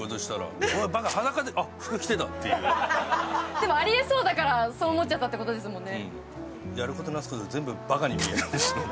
でも、ありえそうだからそう思っちゃったってことですもんね。